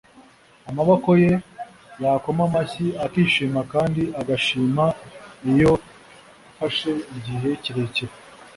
amaboko ye yakoma amashyi akishima kandi agashima iyo mfashe igihe kirekire.